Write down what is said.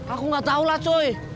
aku nggak tahu lah coy